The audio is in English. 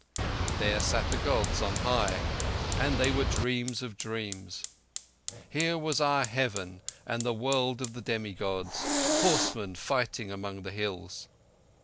Here sat the Gods on high—and they were dreams of dreams. Here was our Heaven and the world of the demi Gods—horsemen fighting among the hills.